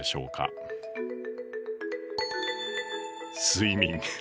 「睡眠」。